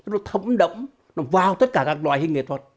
nó thấm động nó vào tất cả các loại hình nghệ thuật